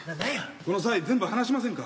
この際全部話しませんか？